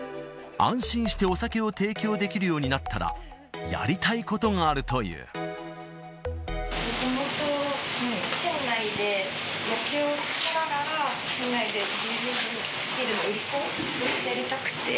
安心してお酒を提供できるようになったら、やりたいことがあるともともと店内で、野球をつけながら、店内でビールの売り子をやりたくて。